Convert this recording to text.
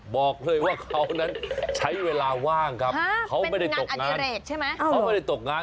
บอกเลยว่าเขานั้นใช้เวลาว่างครับเขาไม่ได้ตกงาน